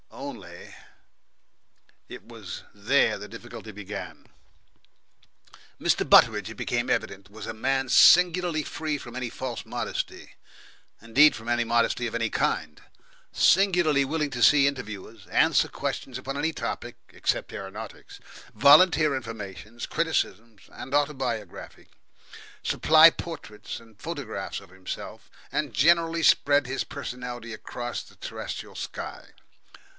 Only It was there the difficulty began. Mr. Butteridge, it became evident, was a man singularly free from any false modesty indeed, from any modesty of any kind singularly willing to see interviewers, answer questions upon any topic except aeronautics, volunteer opinions, criticisms, and autobiography, supply portraits and photographs of himself, and generally spread his personality across the terrestrial sky.